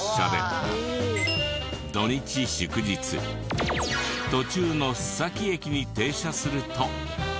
土日祝日途中の須崎駅に停車すると。